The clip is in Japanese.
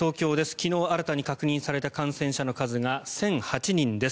昨日新たに確認された感染者の数が１００８人です。